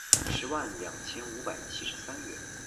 十万两千五百七十三元